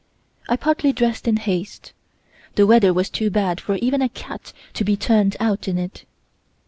I partly dressed in haste. The weather was too bad for even a cat to be turned out in it.